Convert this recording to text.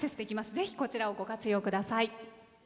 ぜひ、こちらをご活用ください。